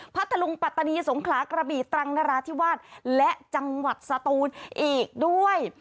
พัทธลุงปัตตานีสงขลากระบีตรังนราธิวาสและจังหวัดสตูนอีกด้วย